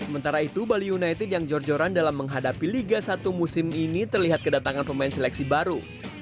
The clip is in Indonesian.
sementara itu bali united yang jor joran dalam menghadapi liga satu musim ini terlihat kedatangan pemain seleksi baru